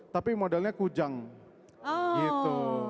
tapi modelnya kujang gitu